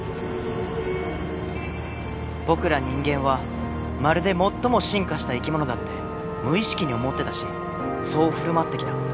僕ら人間はまるで最も進化した生き物だって無意識に思ってたしそう振る舞ってきた。